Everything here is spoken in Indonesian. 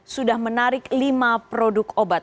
sudah menarik lima produk obat